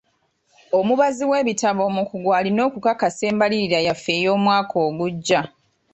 Omubazi w'ebitabo omukugu alina okukakasa embalirira yaffe ey'omwaka ogujja.